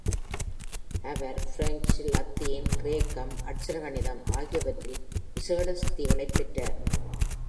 அவர் பிரெஞ்சு, லத்தீன், கிரேக்கம், அட்சர கணிதம் ஆகியவற்றில் விசேட சித்திகளைப் பெற்றார்.